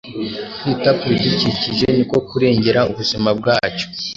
Kwita ku bidukikije ni ko kurengera ubuzima bwacu